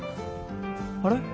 あれ？